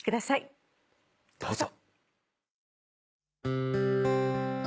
どうぞ。